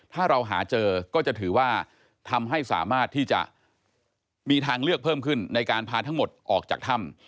ถ้าเราหาเจอก็จะถือว่าทำให้สามารถที่จะมีทางเลือกเพิ่มขึ้นในการพาทั้งหมดออกจากถ้ำ